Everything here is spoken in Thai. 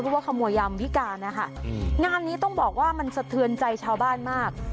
เพราะว่าขโมยยามวิการนะคะงานนี้ต้องบอกว่ามันสะเทือนใจชาวบ้านมาก